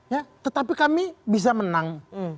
ya tetapi kami bisa menang